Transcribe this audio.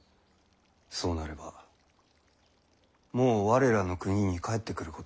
そうなればもう我らの国に帰ってくることはできまい。